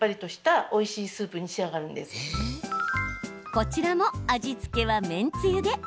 こちらも味付けは麺つゆで。